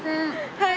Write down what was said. はい。